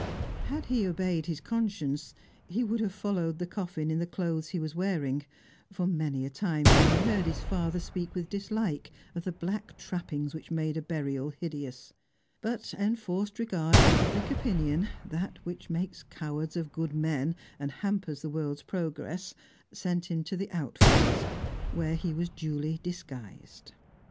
Had he obeyed his conscience, he would have followed the coffin in the clothes he was wearing, for many a time he had heard his father speak with dislike of the black trappings which made a burial hideous; but enforced regard for public opinion, that which makes cowards of good men and hampers the world's progress, sent him to the outfitter's, where he was duly disguised.